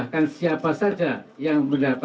seakan siapa saja yang memberat kepada